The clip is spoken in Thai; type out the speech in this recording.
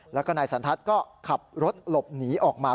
แล้วก็นายสันทัศน์ก็ขับรถหลบหนีออกมา